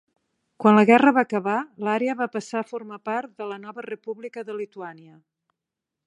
Quan la guerra va acabar, l'àrea va passar a formar part de la nova República de Lituània.